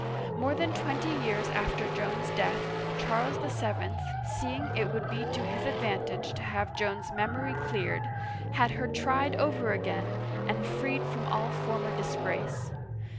More than twenty years after Joan's death, Charles VII., seeing it would be to his advantage to have Joan's memory cleared, had her tried over again, and freed from all former disgrace.